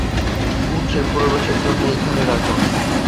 উৎসে প্রবেশের জন্য এখানে দেখুন।